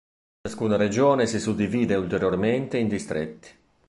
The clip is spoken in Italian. Ciascuna regione si suddivide ulteriormente in distretti.